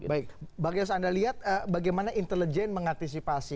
baik bagaimana seandainya anda lihat bagaimana intelijen mengantisipasi